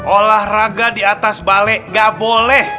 olahraga di atas balai nggak boleh